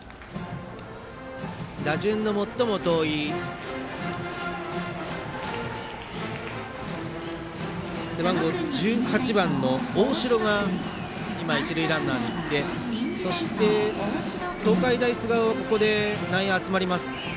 打順の最も遠い背番号１８番の大城が今、一塁ランナーへ行って東海大菅生はここで内野が集まります。